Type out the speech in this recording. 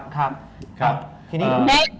ครับครับครับ